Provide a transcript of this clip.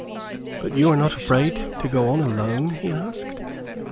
"But are you not afraid to go on alone?" he asked.